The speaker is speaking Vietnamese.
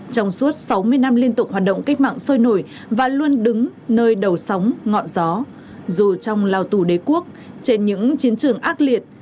trong suốt sáu mươi năm liên tục hoạt động cách mạng sôi nổi và luôn đứng nơi đầu sóng ngọn gió dù trong lao tù đế quốc trên những chiến trường ác liệt